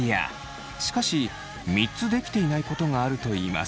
しかし３つできていないことがあるといいます。